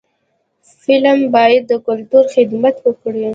فلم باید د کلتور خدمت وکړي